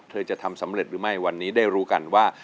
จะทำสำเร็จหรือไม่วันนี้ได้รู้กันว่า